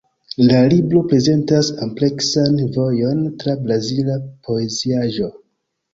La libro prezentas ampleksan vojon tra brazila poeziaĵo.